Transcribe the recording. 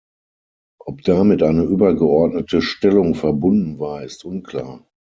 Ob damit eine übergeordnete Stellung verbunden war ist unklar.